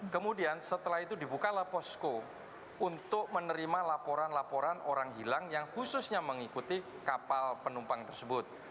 kemudian setelah itu dibukalah posko untuk menerima laporan laporan orang hilang yang khususnya mengikuti kapal penumpang tersebut